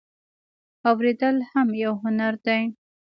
اوریدل هم یو هنر دی